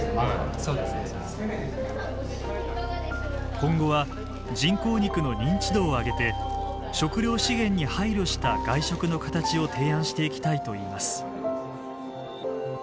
今後は人工肉の認知度を上げて食料資源に配慮した外食の形を提案していきたいといいます。